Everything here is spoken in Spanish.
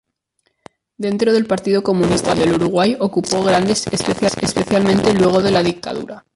Dentro del Partido Comunista del Uruguay ocupó grandes sitiales, especialmente luego de la dictadura.